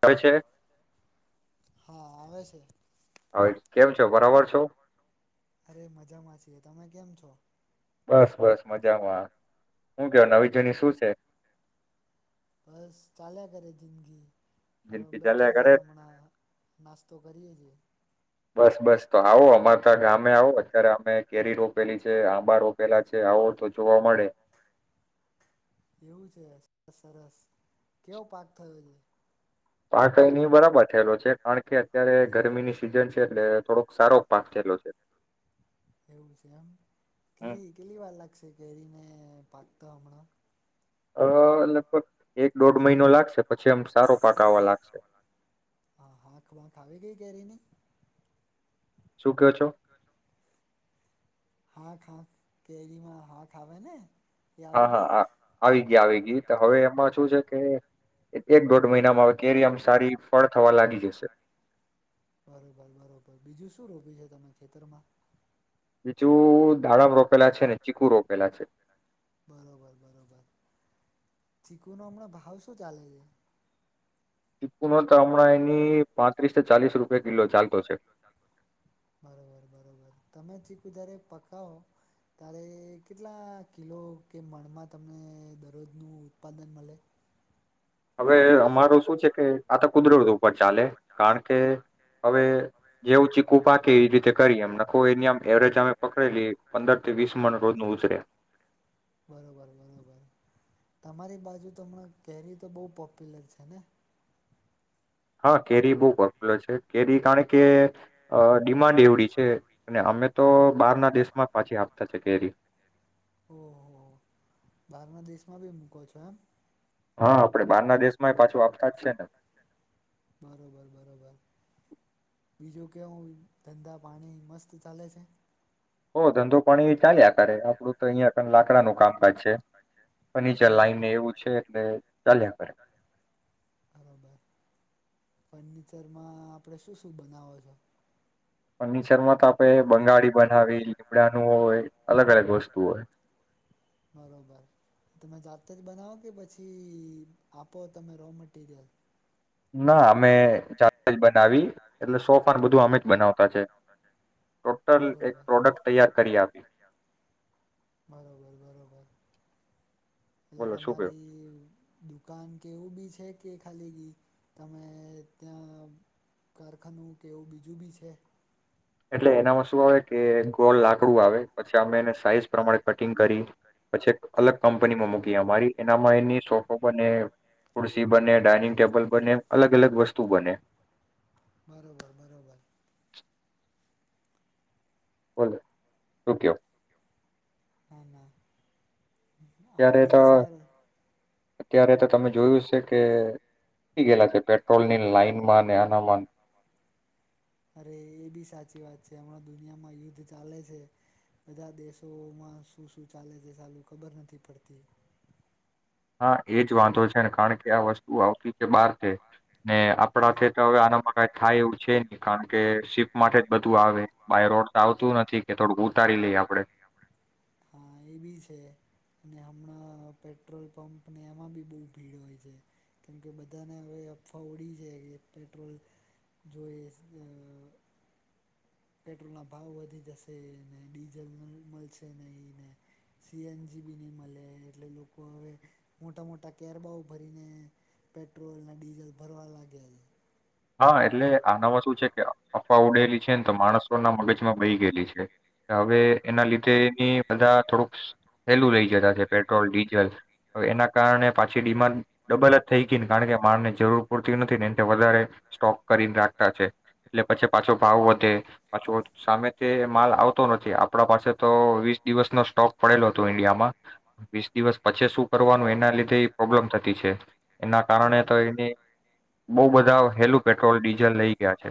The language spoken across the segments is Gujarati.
આવે છે? હા આવે છે. હવે કેમ છો, બરાબર છો? અરે મજામાં છીએ, તમે કેમ છો? બસ બસ મજામાં. હું ક્યો નવી જૂની શું છે? બસ ચાલ્યા કરે જિંદગી. હવે બેઠા છીએ હમણાં, નાસ્તો કરીએ છીએ. બસ બસ તો આવો અમારા તા ગામે આવો અતારે અમે કેરી રોપેલી છે, આંબા રોપેલા છે, આવો તો જોવા મળે. એવું છે સરસ સરસ, કેવો પાક થયો છે? પાક કઈ ની બરાબર થયેલો છે કાણકે અત્યારે ગરમીની સિઝન છે એટલે એવું છે એમ, કેટલી કેટલી વાર લાગશે કેરીને પાકતા હમણાં? અ, લગભગ એક દોઢ મહિનો લાગશે. પછી એમ સારો પાક આવવા લાગશે. ઘરેને શું કયો છો આ ખા કેરીમાં હા આથ આવેને હા હા આવી ગયા આવી ગઈ હવે એમાં શું છે કે એ એક દોઢ મહિનામાં આવે કેરી આમ સારી ફળ થવા લાગી જશે શું રોપ્યું છે તમે ખેતરમાં બીજું દાડમ રોપેલા છે ને ચીકુ રોપેલા છે ચીકુ નો હમણાં ભાવ શું ચાલે છે ચીકુનો હમણાં એની પાંત્રીસ ચાલીસ રૂપિયા કિલો ચાલતો છે તમે ચીકુ જારે પકાવો ત્યારે કેટલા કિલો કે મણમાં તમને દરરોજનું ઉત્પાદન મળે હવે અમાર શું છે કે આ તો કુદરત ઉપર ચાલે કારણ કે હવે જેવું ચીકું પા કે એવી રીતે કરી એમ નખો એની આમ એવરેજ અમે પકડેલી પંદર થી વીસ મણ રોજ ન ઉછરે બાજુ તમણા કેરી તો બહ પોપ્યુલર છે ને હા કેરી બહુ પોપ્યુલર છે કેરી કારણ કે ડિમાન્ડ એવડી છે અને અમે. તો બહાર ના દેશમાં પાછી આપતા છે કેરી. ઓહ બારના દેશમાં ભી મૂકો છો એમ. હા આપણે બાર ના દેશ માં પાછું આપતા જ છે ને. બીજું કેવું ધંધા પાણી મસ્ત ચાલે છે. ઓહ ધંધો પણ એ ચાલ્યા કરે આપડું તો અહિયાં ક લાકડાનુ કામકાજ છે ફર્નિચર લાઈનને એવું છે એટલે ચાલ્યા કરે. ફર્નિચરમાં આપડે શું શું બનાવો છો. ફર્નિચરમાં આપે બંગાળી બનાવી, લીમડાનું હોય અલગ-અલગ વસ્તુ હોય. તમે બનાવો કે પછી આપો તમે રો મટીરિયલ. ના અમે જાતે જ બનાવી એટલે સોફા ને બધું અમે બનાવ તા છે ટોટલ એક પ્રોડક્ટ તૈયાર કરી આપી. એટલે તમારી દુકાન કે એવું બી છે. કે ખાલી તમે ત્યાં કારખાનું કે એવું બીજું બી છે. એટલે એનામાં શું આવે કે ગોળ લાકડું આવે પછી અમે એને સાઈઝ પ્રમાણે કટિંગ કરી પછી અલગ કંપનીમાં મૂકી અમારી એનામાં એની સોફો બને કુરસી બને. ડાઇનિંગ ટેબલ બને અલગ-અલગ વસ્તુ બને. બોલો શું કેઓ. ના ના. આઈડિયા સારું. અત્યારે તો તમે જોયું છે કે થી ગયેલા છે પેટ. પેટ્રોલની લાઇનમાંને આનામાન. કે હમણાં દુનિયામાં યુદ્ધ ચાલે છે બધા દેશોમાં શું શું ચાલે છે ચાલું ખબર નથી પડતી. હા એજ વાંધો છે ને કારણ કે આ વસ્તુ આવતી છે બહાર તે. ને આપડાથે તો હવે આનામાં કઈ થાય એવું છે નહી કારણ કે. શિપ માટે જ બધું આવે બાય રોડ તો આવતું નથી કે થોડુંક ઉતારી લઈએ આપડે. હા એ બી છે અને હમણાં પેટ્રોલ પંપ ને એમાં બી બહુ ભીડ હોય છે કેમકે બધાને હવે અફવા ઓડી છે કે પેટ્રોલ જોઈ. પેટ્રોલ ના ભાવ વધી જશે ને ડીઝલ મળશે નહી ને સીએનજી બી નહી મળે એટલે લોકો હવે મોટા મોટા કેરબાઓ ભરીને પેટ્રોલ અને ડીઝલ ભરવા લાગ્યા છે હા એટલે આ નવા શું છે કે અફવા ઉડેલી છે ને તો માણસોના મગજમાં બ ગયેલી છે હવે એના લીધે એની બધા થોડુંક સેલું લઇ જતા છે પેટ્રોલ ડીઝલ હવે એના કારણે પાછી ડિમાન્ડ ડબલ જ થઈ ગઈ ને કારણ કે માણને જરૂર પૂરતી નથી ને એ વધારે સ્ટોક કરીને રાખતા છે એટલે પછી પાછો ભાવ વધે પાછો સામે તે માલ આવતો નથી આપડા પાસે તો વીસ દિવસનો સ્ટોક પડેલો હતો ઈન્ડિયામાં વીસ દિવસ પછી શું કરવાનું એના લીધે પ્રોબ્લેમ થતી છે એના કારણે તો એની બ બ પેટ્રોલ ડીઝલ લઈ ગયા છે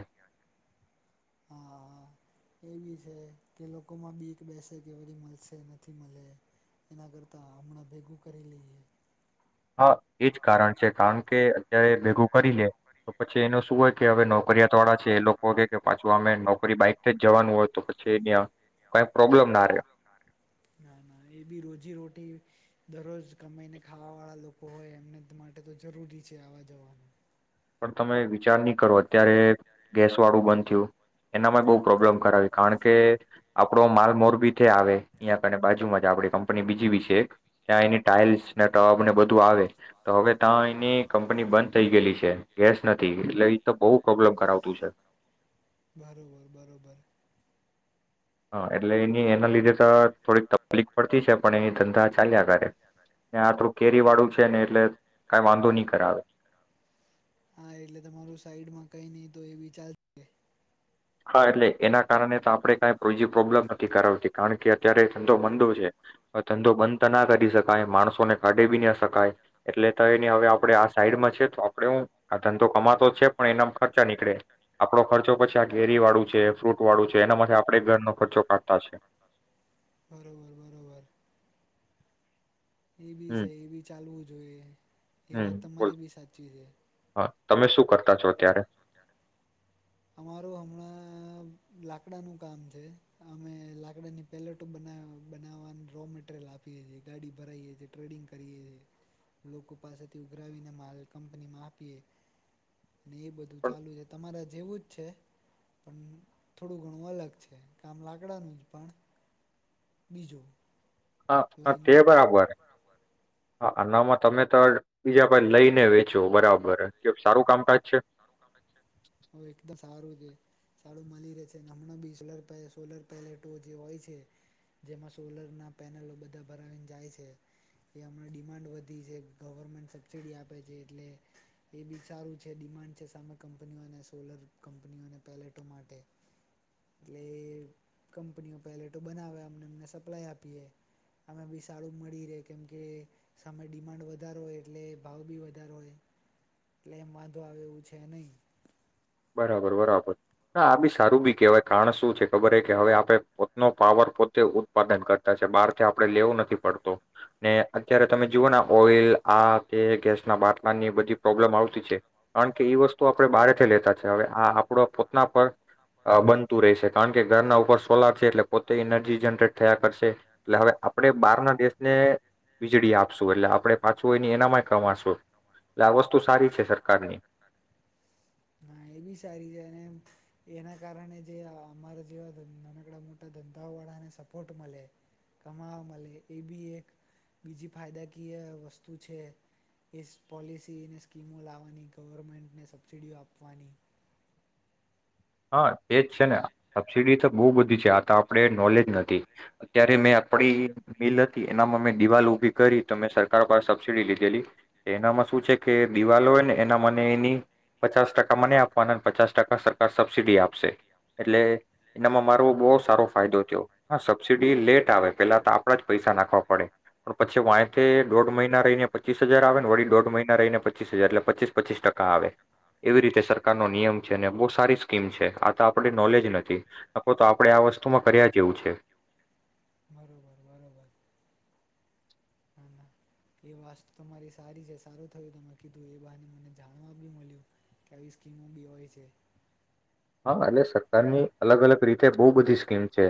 કે લોકોમાં બીક બેસે કે વરી મળશે નથી મળે એના કરતા હમણાં ભેગું કરી લઈએ હા એજ કારણ છે કારણ કે અત્યારે ભેગું કરી લે તો પછી એનો શું હોય કે હવે નોકરીયાત છે એ લોકો કે પાછું અમે નોકરી બાઈક થી જવાનું હોય તો પછી એ કઈ પ્રોબ્લેમ ના રહ્યો ના ના એ બી રોજી રોટી દરરોજ કમાઈને ખાવા વાળા લોકો હોય એમને માટે તો જરૂરી છે આવા જવાનું. પણ તમે વિચાર નહી કરો અત્યારે ગેસ વાળું બંધ થયું એનામાં બહુ પ્રોબ્લેમ કરાવી કારણ કે આપડો માલ મોરબી થી આવે અહીં અને બાજુમાં જ આપણી કંપની બીજી બી છે ત્યાં એની ટાઈલ્સ ને ટબ ને બધું આવે તો હવે ત્યાં એની કંપની બંધ થઈ ગયેલી છે. ગેસ નથી એટલે એ તો બહુ પ્રોબ્લેમ કરાવતું છે. બરોબર બરોબર. હા, એટલે એની એના લીધે તો થોડીક તકલીફ પડતી છે પણ એની ધંધા ચાલ્યા કરે અને આ થોડું કેરી વાળું છે ને એટલે કઈ વાંધો નહી કરાવે. ચાલે હા એટલે એના કારણે તો આપડે કઈ બીજી પ્રોબ્લેમ નથી કરાવતી. કારણ કે અત્યારે ધંધો મંદો છે હવે ધંધો બંધ તો ના કરી શકાય માણસોને કાઢી બી ના શકાય એટલે તો એને હવે આપડે આ સાઈડમાં છે તો આપડે હું આ ધંધો કમાતો જ છે પણ એના ખર્ચા નીકળે આપડો ખર્ચો પછ તા કેેરી વાળું છે, ફ્રૂટ વાળું છે એનામાંથી આપડે ઘરનો ખર્ચો કાઢતા છે. એ બી છે એ બી ચાલવું જોઈએ એ વાત તમારે બી સાચી છે. તમે શું કરતા છો અત્યારે? અમારુ હમને લાકડાનું કામ છે. અમે લાકડાની પેલેટો બના બનાવાની રોમટરિયલ આપીએ છીએ ગાડી ભરાઈએ છીએ ટ્રેડિંગ કરીએ લોકો પાસેથી ઉઘરાવીને માલ કંપનીમાં આપીએ અને એ બધું ચાલુ છે તમારા જેવું જ છે પણ થોડું ઘણું અલગ છે. કામ લાકડાનું જ પણ બીજું. હા હા તે બરાબર હા આનામાં તમે તો બીજા ભાઈ લઈને વેચો બરાબર કે સારું કામકાજ છે. હ એકદ સારું છે. સારું મળી રહે છે હમણાં બી સોલ સોલર પેલેટો જે હોય છે જેમાં સોલર ના પેનલો બધા ભરાવીને જાય છે એ હમણાં ડિમાન્ડ વધી છે ગવર્મેન્ટ સબસીિડી આપે છે એટલે એ બી સારું છે ડિમાન્ડ છે સામે ક બનવા ને સોલર કંપનીઓને પેલેટો માટે એટલે કંપનીઓ પેલેટો બનાવે અમનેમને સપ્લાય આપીએ અમે બી સારું મળી રહે કેમ કે સામે ડિમાન્ડ વધારો હોય એટલે ભાવ બી વધારો હોય એટલે એમ વાંધો આવે એવું છે નહીં. બરાબર બરાબર ના આ બી સારું બી કેવાય કારણ શું છે ખબર કે હવે આપણે પોતનો પાવર પોતે ઉત્પાદન કરતા છે બહાર થી આપણે લેવો નથી પડતો ને અત્યારે તમે જુઓ ને ઓઈલ આ તે ગેસના બાટલાની બધી પ્રોબ્લેમ આવતી છે કારણ કે ઈ વસ્તુ આપણે બાર ચાલે આ આપડો પોતાના પર અ બનતું રહેશે કારણ કે ઘરના ઉપર સોલાર છે એટલે પોતે એનર્જી જનરેટ થયા કરશે એટલે હવે આપણે બહારના દેશને વીજળી આપશું એટલે આપણે પાછું હોયની એનામાંય કમાશું એટલે આ વસ્તુ સારી છે સરકારની હા એ બી સારી છે અને એના કારણે જે અ અમારા જેવા નનકડા મોટા ધંધાઓવાળાને સપોર્ટ મલે કમાવા મલે એ બી એક બીજી ફાયદાકીય વસ્તુ છે એ પોલિસી ને સ્કીમો લાવવાની ગવર્મેન્ટને સબસીિડીઓ આપ વાની હા એજ છે ને સબસિડી તો બહુ બધી છે આ તો આપણેે નોલેજ નથી અત્યારે મેં આપડી મિલ હતી એનામાં મેં દિવાલ ઊભી કરી તો મેં સરકાર પાસે સબસિડી લીધેલી એનામાં શું છે કે દિવાલો હોય ને એના મને એની પચાસ ટકા મને આપવાનાને પચાસ ટકા સર કાર સબસિડી આપશે એટલે એનામાં મારો બોવ સારો ફાયદો થયો હ સબસિડી લેટ આવે પેલા તો આપડા જ પૈસા નાખવા પડે પણ પછી વાયથે દોઢ મહિના રહીને પચીસ હજાર આવે ને વળી દોઢ મહિના રહીને પચીસ હજાર એટલે પચીસ પચીસ ટકા આવે એવી રીતે સરકાર નો નિયમ છે અને બો સારી સ્કીમ છે આ તો આપણે નોલેજ નથી આપો તો આ વસ્તુમાં કરયા જેવું છે. એ વસ્તુ તમારી સારી છે સારું થયું તમે કીધું એ બહને મને જાણવા બી મળ્યું કે આવી સ્કીમો બી હોય છે. હા એટલે સરકારની અલગ અલગ રીતે બોવ બધી સ્કીમ છે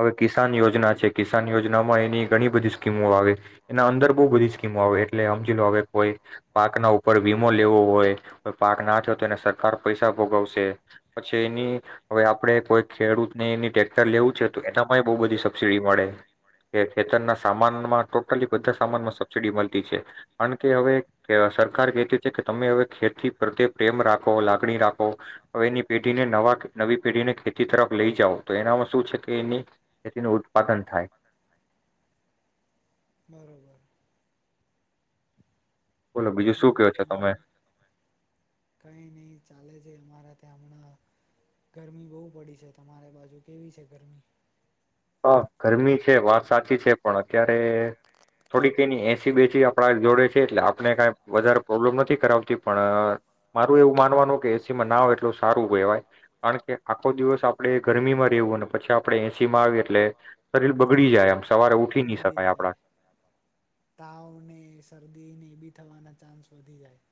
હવે કિસાન યોજના છે કિસાન યોજનામાં એની ઘણી બધી સ્કીમો આવે એના અંદર બોવ બધી સ્કીમો આવે એટલે સમજી લો હવે કોઈ પાકના ઉપર વીમો લેવો હોય પાક ના થયો તો એને સરકાર પૈસા ભોગવશે પછી એની હવે આપડે કોઈ ખેડૂતને એની ટેક્ટર લેવું છે તો એનામાં બહુ બધી સબસિડી મળે કે ખેતરના સામાનમાં ટોટલી બધા સામાનમાં સબસિડી મળતી છે કારણ કે હવે અ સરકાર કહેતી છે કે તમે હવે ખેતી પ્રત્યે પ્રેમ રાખો લાગણી રાખો હવે એની પેઢીને નવા નવી પેઢીને ખેતી તરફ લઈ જાવ તો એનામાં શું છે કે એની ખેતીનું ઉત્પાદન થાય બરોબર. એ વાત તમારે કઈ નહી ચાલે છે અમારા તે હમણાં ગરમી બહુ પડી છે તમારે બાજુ કેવી છે ગરમી હા ગરમી છે વાત સાચી છે પણ અત્યારે થોડીક એની એ એસી બેસી આપણા જોડે છે એટલે આપણે કઈ વધારે પ્રોબ્લેમ નથી કરાવતી પણ અ મારું એવું માનવાનું કે એસી માં ના હો તો સારું કહેવાય કારણ કે આખો દિવસ આપડે ગરમી માં રહેવું અને પછી આપડે એસી માં આવીએ શરીર બગડી જાય આમ સવારે ઉઠી ની શકાય આપણા એ બી થવાના ચાન્સ વધી જાય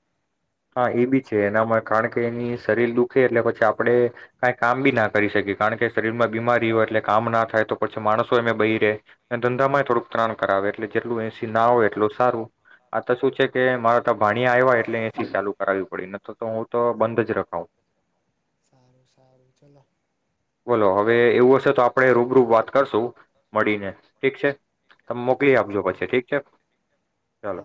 હા એ બી છે એનામાં કારણ કે એની શરીર દુખે એટલે પછી આપડે કાઈ કામ બી ના કરી શકીએ કારણ કે શરીરમાં બીમારી હોય એટલે કામ ના થાય તો પછી માણસો એમે બહી રહે ધંધામાંય થોડુંક ત્રણ કરાવે એટલે જેટલું એસી ના હોય એટલું સારું શું છે કે મારા ત ભાણીયા આવ્યા એટલે ચાલુ કરાવવી પડી ન તો તો હું તો બંધ જ રખાવ તો અવે એવું હશે તો આપણે રૂબરૂબ વાત કરશું મળીને ઠીક છે તમે મોકલી આપજો પછી ઠીક છે ચાલો